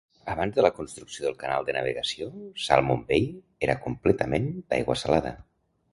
Abans de la construcció del canal de navegació, Salmon Bay era completament d'aigua salada.